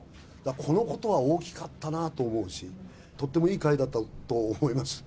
このことは大きかったなと思うし、とってもいい会だったと思います。